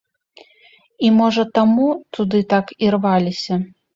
І, можа, таму туды так ірваліся.